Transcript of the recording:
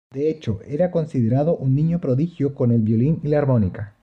De hecho, era considerado un niño prodigio con el violín y la armónica.